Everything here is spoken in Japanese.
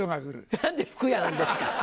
何で「フクヤ」なんですか！